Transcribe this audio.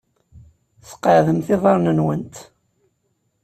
Sqeɛdemt iḍarren-nwent.